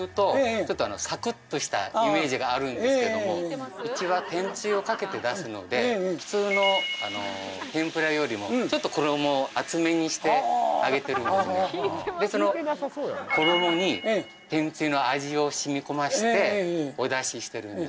あのがあるんですけどもうちは天つゆをかけて出すので普通の天ぷらよりもちょっと衣を厚めにして揚げてるんですねでその衣に天つゆの味をしみ込ましてお出ししてるんです